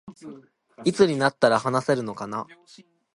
いつになったら話せるのかな